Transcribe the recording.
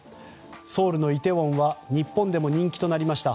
ソウルのイテウォンは日本でも人気となりました